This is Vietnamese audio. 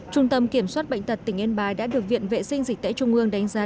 trung tâm kiểm soát bệnh tật tỉnh yên bái đã được viện vệ sinh dịch tễ trung ương đánh giá